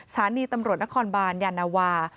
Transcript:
ศาลนีย์ตำรวจนครบันยาลนาวา